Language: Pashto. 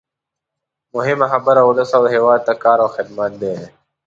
مهمه خبره ولس او هېواد ته کار او خدمت دی.